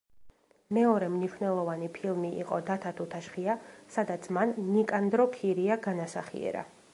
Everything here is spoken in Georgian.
მეორე მნიშვნელოვანი ფილმი იყო დათა თუთაშხია, სადაც მან ნიკანდრო ქირია განასახიერა.